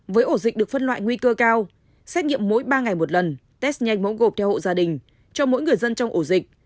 với ổ dịch được phân loại nguy cơ cao xét nghiệm mỗi ba ngày một lần test nhanh mẫu gộp theo hộ gia đình cho mỗi người dân trong ổ dịch